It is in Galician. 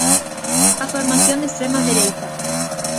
A formación de extrema dereita.